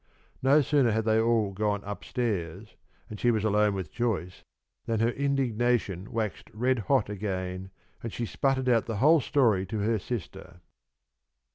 No sooner had they all gone up stairs, and she was alone with Joyce, than her indignation waxed red hot again, and she sputtered out the whole story to her sister.